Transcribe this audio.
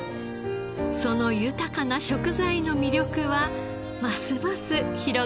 その豊かな食材の魅力はますます広がっていきます。